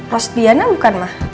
rosdiana bukan ma